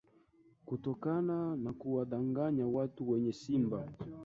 Kutokana na kuwadanganya watu wenye simba